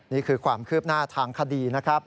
นี่คือความคืบหน้าทางคดีนะครับ